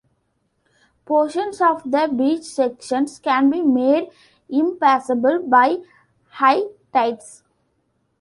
Portions of the beach sections can be made impassable by high tides.